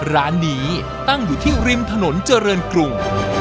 ร้านนี้ตั้งอยู่ที่ริมถนนเจริญกรุง